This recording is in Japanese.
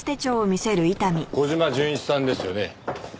小島純一さんですよね？